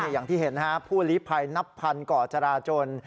อย่างที่เห็นผู้นิบภัยนับพันธุ์เกาะจราจน